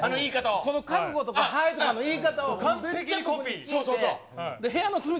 この角度とか、はーいとかの言い方を完璧にコピー。